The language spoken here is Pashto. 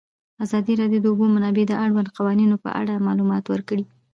ازادي راډیو د د اوبو منابع د اړونده قوانینو په اړه معلومات ورکړي.